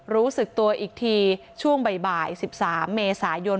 รู้สึกตัวอีกทีช่วงบ่าย๑๓เมษายน